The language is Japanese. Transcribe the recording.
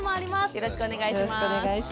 よろしくお願いします。